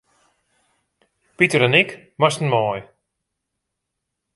Piter en ik moasten mei.